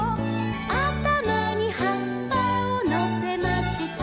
「あたまにはっぱをのせました」